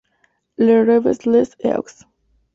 Le Revest-les-Eaux